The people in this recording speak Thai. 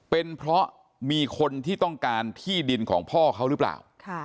เป็นเพราะมีคนที่ต้องการที่ดินของพ่อเขาหรือเปล่า